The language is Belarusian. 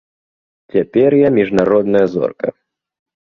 Цяпер я міжнародная зорка.